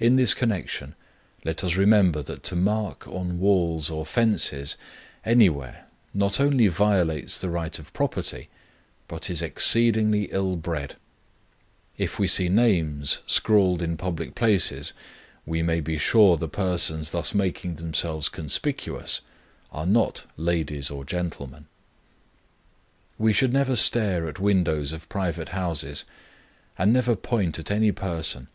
In this connection, let us remember that to mark on walls or fences anywhere not only violates the right of property, but is exceedingly ill bred. If we see names scrawled in public places, we may be sure the persons thus making themselves conspicuous are not ladies or gentlemen. We should never stare at windows of private houses, and never point at any person.